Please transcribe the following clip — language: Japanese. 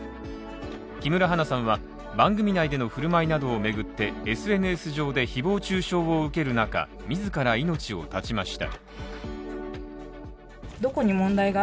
木村花さんは、番組内での振る舞いなどを巡ってＳＮＳ上で誹謗中傷を受ける中、自ら命を絶ちました。